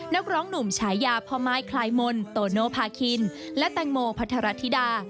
นักร้องหนุ่มฉายาพ่อไม้คลายมนโตโนภาคินและแตงโมพัทรธิดา